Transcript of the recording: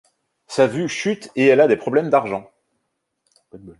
Sa vue chute et elle a des problèmes d'argent.